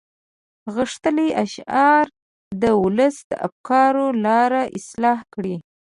غښتلي اشعار د ولس د افکارو لاره اصلاح کړي.